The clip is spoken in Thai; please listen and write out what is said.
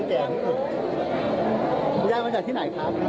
กูยัยมาจากที่ไหนคะ